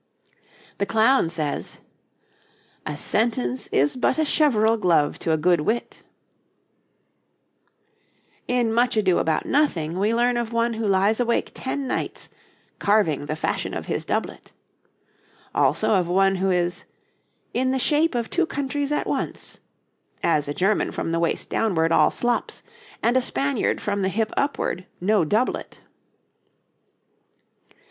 The Clown says: 'A sentence is but a cheveril[C] glove to a good wit.' [C] 'Cheveril' is kid leather. In 'Much Ado About Nothing' we learn of one who lies awake ten nights, 'carving the fashion of his doublet.' Also of one who is 'in the shape of two countries at once, as a German from the waist downwards all slops, and a Spaniard from the hip upward, no doublet.'